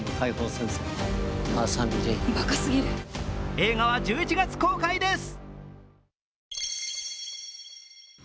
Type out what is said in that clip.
映画は１１月公開です。